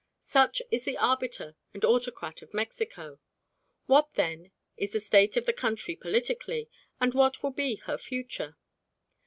Such is the arbiter and autocrat of Mexico. What, then, is the state of the country politically, and what will be her future?